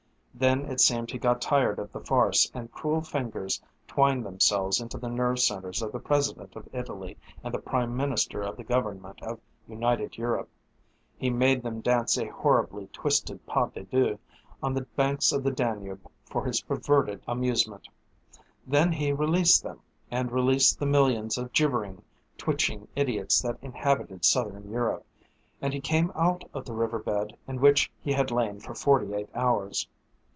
Then it seemed he got tired of the farce, and cruel fingers twined themselves into the nerve centers of the President of Italy and the Prime Minister of the government of United Europe. He made them dance a horribly twisted pas de deux on the banks of the Danube for his perverted amusement. Then he released them, and released the millions of gibbering, twitching idiots that inhabited Southern Europe, and he came out of the river bed in which he had lain for forty eight hours.